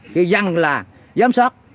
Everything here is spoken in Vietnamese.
giăng là giám sát